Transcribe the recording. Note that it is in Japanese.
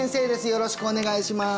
よろしくお願いします